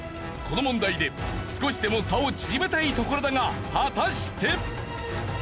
この問題で少しでも差を縮めたいところだが果たして！？